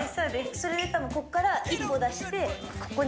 それでたぶん、ここから一歩出して、ここに。